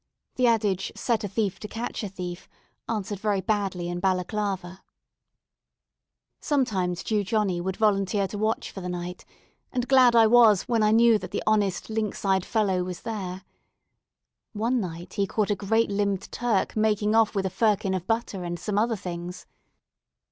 The adage, "set a thief to catch a thief," answered very badly in Balaclava. Sometimes Jew Johnny would volunteer to watch for the night; and glad I was when I knew that the honest lynx eyed fellow was there. One night he caught a great limbed Turk making off with a firkin of butter and some other things.